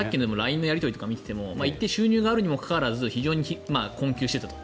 ＬＩＮＥのやり取りを見ても一定の収入があるにもかかわらず困窮していたと。